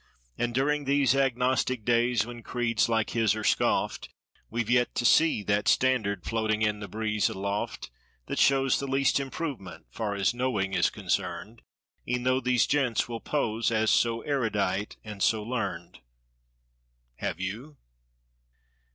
And during these agnostic days when creeds like his are scoffed, We've yet to see that "standard" floating in the breeze, aloft That shows the least improvement—far as "know¬ ing" is concerned— E'en though these gents will pose as so erudite and so learned. Have you?